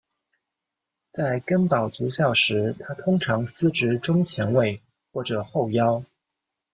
在根宝足校时他通常司职中前卫或者后腰。